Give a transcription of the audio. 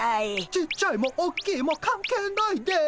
ちっちゃいもおっきいも関係ないです。